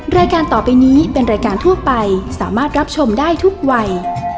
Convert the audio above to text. รายการต่อไปนี้เป็นรายการทั่วไปสามารถรับชมได้ทุกวัย